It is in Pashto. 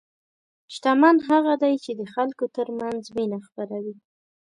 شتمن هغه دی چې د خلکو ترمنځ مینه خپروي.